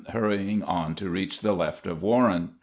hurrying on to reach the left of Warren.